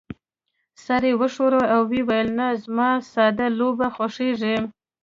سر يې وښوراوه او وې ویل: نه، زما ساده لوبې خوښېږي.